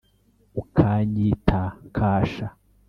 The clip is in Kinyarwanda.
ukanyita kasha